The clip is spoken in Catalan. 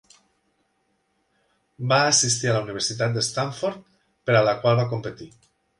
Va assistir a la Universitat de Stanford, per a la qual va competir.